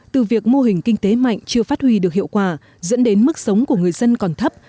từ việc mô hình kinh tế mạnh chưa phát huy được hiệu quả dẫn đến mức sống của người dân còn thấp